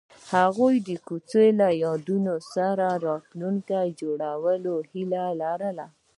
هغوی د کوڅه له یادونو سره راتلونکی جوړولو هیله لرله.